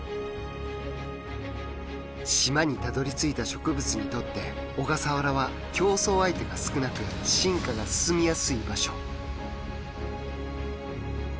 島にたどりついた植物にとって小笠原は競争相手が少なく進化が進みやすい場所。